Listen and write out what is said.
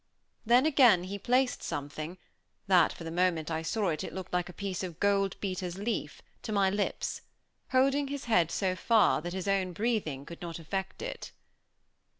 Then again he placed something, that for the moment I saw it looked like a piece of gold beater's leaf, to my lips, holding his head so far that his own breathing could not affect it.